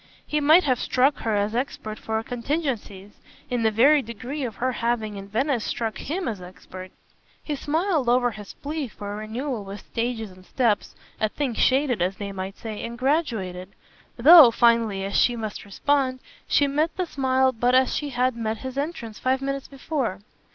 He might have struck her as expert for contingencies in the very degree of her having in Venice struck HIM as expert. He smiled over his plea for a renewal with stages and steps, a thing shaded, as they might say, and graduated; though finely as she must respond she met the smile but as she had met his entrance five minutes before.